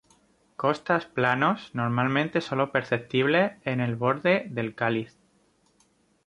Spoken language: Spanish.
Costas planos, normalmente sólo perceptibles en el borde del cáliz.